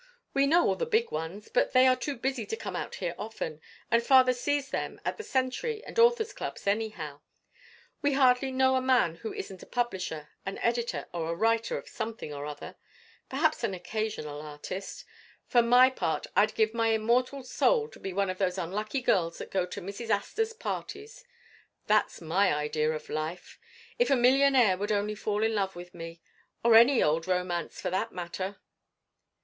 We know all the big ones, but they are too busy to come out here often, and father sees them at the Century and Authors' clubs, anyhow. We hardly know a man who isn't a publisher, an editor, or a writer of something or other—perhaps an occasional artist. For my part, I'd give my immortal soul to be one of those lucky girls that go to Mrs. Astor's parties; that's my idea of life. If a millionaire would only fall in love with me—or any old romance, for that matter!"